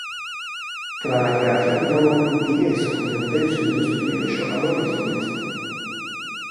Trala creación do novo club vigués converteuse nun dos primeiros xogadores do mesmo.